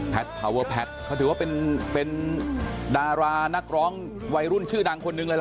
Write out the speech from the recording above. พาเวอร์แพทย์เขาถือว่าเป็นดารานักร้องวัยรุ่นชื่อดังคนหนึ่งเลยล่ะ